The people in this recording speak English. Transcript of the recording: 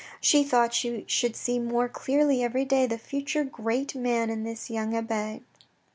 She thought she should see more clearly every day the future great man in this young abbe.